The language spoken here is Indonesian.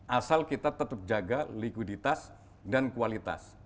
asal kita tetap jaga likuiditas dan kualitas